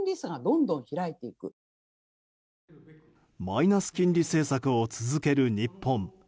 マイナス金利政策を続ける日本。